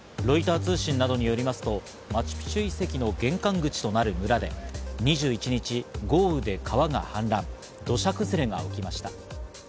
ロイター通信などによりますと、マチュピチュ遺跡の玄関口となる村で２１日、豪雨で川が氾濫、土砂崩れが起きました。